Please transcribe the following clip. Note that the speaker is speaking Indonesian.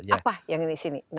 apa yang di sini